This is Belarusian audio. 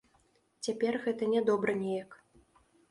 Цяпер гэта нядобра неяк.